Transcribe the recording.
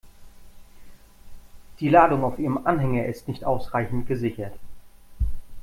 Die Ladung auf Ihrem Anhänger ist nicht ausreichend gesichert.